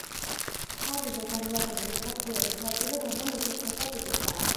ხაზზე განლაგებული სადგურების ნაწილი ღრმა მიწისქვეშა ტიპისაა.